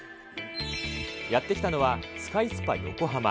やって来たのは、スカイスパヨコハマ。